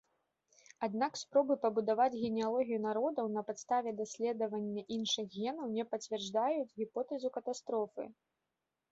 Аднак спробы пабудаваць генеалогію народаў на падставе даследавання іншых генаў не пацвярджаюць гіпотэзу катастрофы.